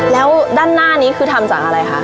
แล้วด้านหน้านี้คือทำจากอะไรคะ